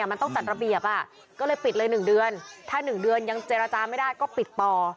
มันต้องจัดระเบียบก็เลยปิดเลย๑เดือนถ้า๑เดือนยังเจรจาไม่ได้ก็ปิดต่อ